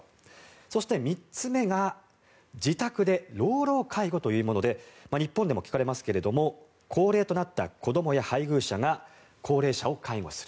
そして３つ目が自宅で老老介護というもので日本でも聞かれますが高齢となった子どもや配偶者が高齢者を介護する。